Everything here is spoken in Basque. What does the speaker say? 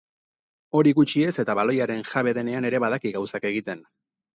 Hori gutxi ez eta baloiaren jabe denean ere badaki gauzak egiten.